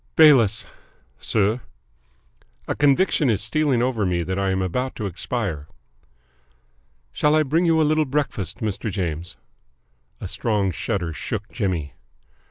"Bayliss." "Sir?" "A conviction is stealing over me that I am about to expire." "Shall I bring you a little breakfast, Mr. James?" A strong shudder shook Jimmy.